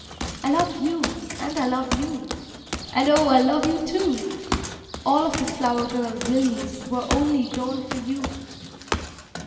"I love you and I love you!" "And oh, I love you, too!" "All of the flower girl's lilies Were only grown for you!"